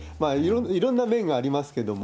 いろんな面がありますけれども。